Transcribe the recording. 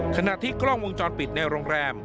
ขณะที่กล้องวงจรปิดในโรงแรม